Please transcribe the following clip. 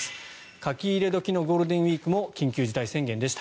書き入れ時のゴールデンウィークも緊急事態宣言でした。